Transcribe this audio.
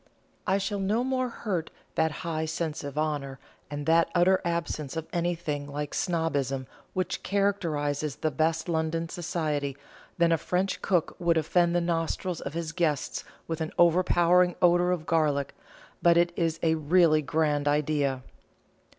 I shall no more hurt that high sense of honour, and that utter absence of anything like snobbism which characterises the best London Society, than a French cook would offend the nostrils of his guests with an overpowering odour of garlic; but it is a really grand idea."